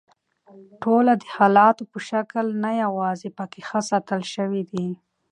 ټوله د حالتونو په شکل نه یواځي پکښې ښه ساتل شوي دي